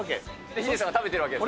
ヒデさんが食べてるわけですね。